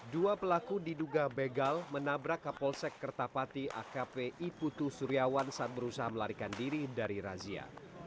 dua pelaku diduga begal menabrak kapolsek kertapati akp iputu suryawan saat berusaha melarikan diri dari razia